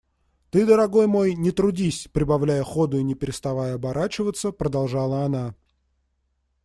Ты, дорогой мой, не трудись! – прибавляя ходу и не переставая оборачиваться, продолжала она.